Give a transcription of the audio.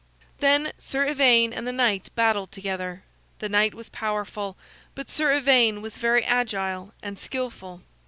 Then Sir Ivaine and the knight battled together. The knight was powerful, but Sir Ivaine was very agile and skillful.